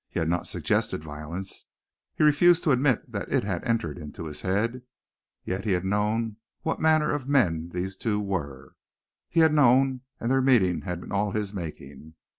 He had not suggested violence. He refused even to admit that it had entered into his head. Yet he had known what manner of men these two were! He had known, and their meeting had been all his making!